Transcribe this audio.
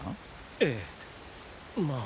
ええまあ。